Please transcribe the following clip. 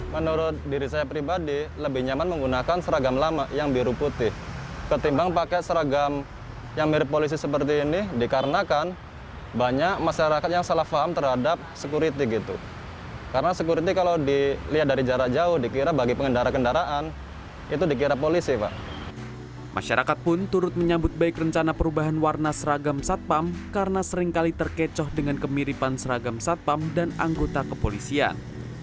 masyarakat pun turut menyambut baik rencana perubahan warna seragam satpam karena seringkali terkecoh dengan kemiripan seragam satpam dan anggota kepolisian